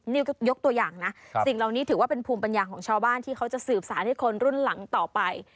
นี่ก็ยกตัวอย่างนะสิ่งเหล่านี้ถือว่าเป็นภูมิปัญญาของชาวบ้านที่เขาจะสืบสารให้คนรุ่นหลังต่อไป